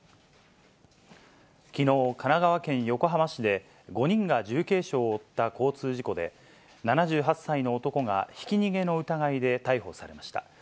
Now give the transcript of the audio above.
きのう、神奈川県横浜市で、５人が重軽傷を負った交通事故で、７８歳の男がひき逃げの疑いで逮捕されました。